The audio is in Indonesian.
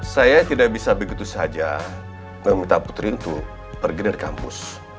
saya tidak bisa begitu saja meminta putri untuk pergi dari kampus